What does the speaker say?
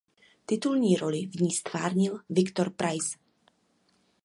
Titulní roli v ní ztvárnil Viktor Preiss.